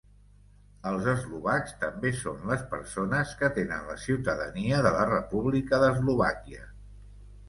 Els eslovacs també són les persones que tenen la ciutadania de la República d'Eslovàquia.